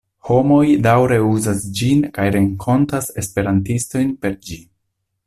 Homoj daŭre uzas ĝin kaj renkontas esperantistojn per ĝi.